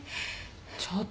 ちょっと。